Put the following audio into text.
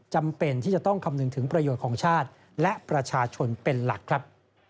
จำเป็นที่จะต้องคำนึงถึงประโยชน์ของชาติและประชาชนเป็นหลักครับ